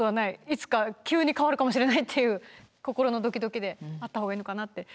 いつか急に変わるかもしれないっていう心のドキドキで待った方がいいのかなって。